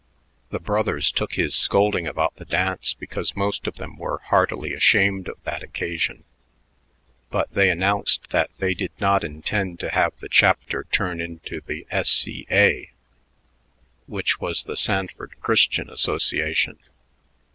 The brothers took his scolding about the dance because most of them were heartily ashamed of that occasion; but they announced that they did not intend to have the chapter turned into the S.C.A., which was the Sanford Christian Association.